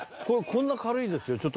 これこんな軽いですよ。